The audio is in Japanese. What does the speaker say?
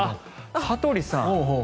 羽鳥さん！